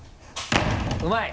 うまい！